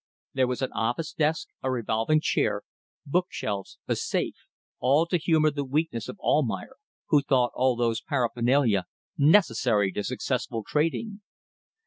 There was an office desk, a revolving chair, bookshelves, a safe: all to humour the weakness of Almayer, who thought all those paraphernalia necessary to successful trading.